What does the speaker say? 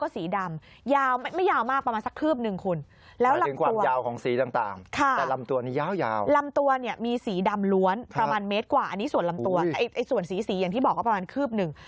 สีอย่างที่บอกก็ประมาณคืบหนึ่ง